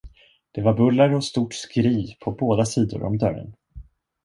Det var buller och stort skri på båda sidor om dörren.